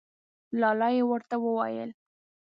لا لا یې ورته وویل.